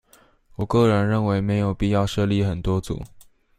我個人認為沒有必要設立很多組